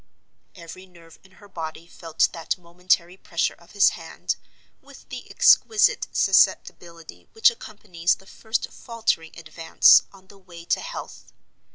Every nerve in her body felt that momentary pressure of his hand, with the exquisite susceptibility which accompanies the first faltering advance on the way to health.